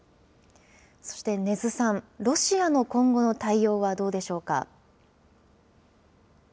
そして禰津さん、ロシアの今後の対応はどうでしょうか。